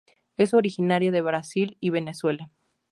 Es originaria de Brasil y Venezuela.